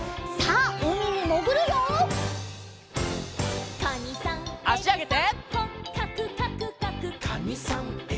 あしあげて。